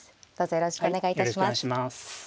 よろしくお願いします。